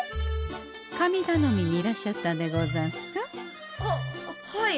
神だのみにいらっしゃったんでござんすか？ははい。